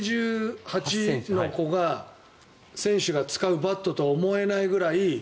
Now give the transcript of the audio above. １８８ｃｍの選手が使うバットとは思えないぐらい。